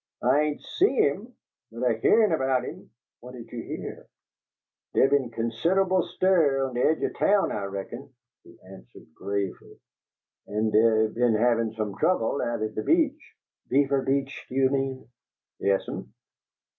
"I ain' SEE him, but I hearn about him." "What did you hear?" "Dey be'n consid'able stir on de aidge o' town, I reckon," he answered, gravely, "an' dey be'n havin' some trouble out at de Beach " "Beaver Beach, do you mean?" "Yes'm.